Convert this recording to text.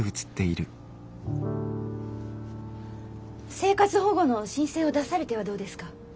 生活保護の申請を出されてはどうですか？